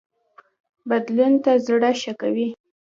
بدلون ته زړه ښه کوي